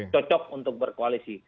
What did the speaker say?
cocok untuk berkoalisi